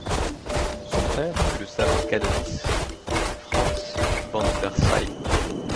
Son frère fut le savant canoniste Frans van den Zype.